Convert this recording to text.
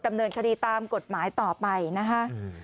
ดำเนินคดีตามกฎหมายต่อไปนะคะ